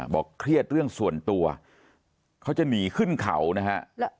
บอกเครียดเรื่องส่วนตัวเขาจะหนีขึ้นเขานะฮะ